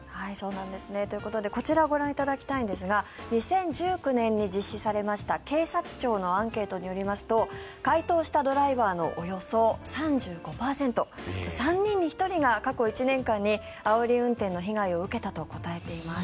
ということでこちらをご覧いただきたいんですが２０１９年に実施された警察庁のアンケートによりますと回答したドライバーのおよそ３５％、３人に１人が過去１年間にあおり運転の被害を受けたと答えています。